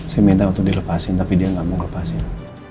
saya minta untuk dilepasin tapi dia nggak mau dilepasin